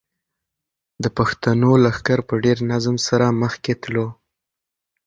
د پښتنو لښکر په ډېر نظم سره مخکې تلو.